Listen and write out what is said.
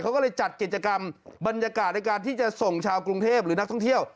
เขาก็เลยจัดกิจกรรมบรรยากาศในการที่จะส่งชาวกรุงเทพหรือนักท่องเที่ยว